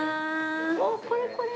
おおーこれこれ！